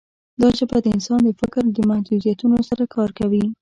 دا ژبه د انسان د فکر د محدودیتونو سره کار کوي.